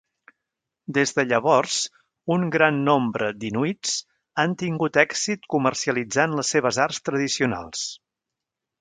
Des de llavors, un gran nombre d'inuits han tingut èxit comercialitzant les seves arts tradicionals.